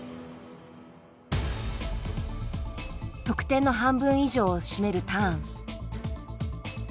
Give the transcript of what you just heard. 得点の半分以上を占めるターン。